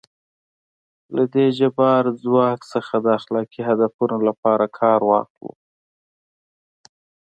له دې جبار ځواک څخه د اخلاقي هدفونو لپاره کار واخلو.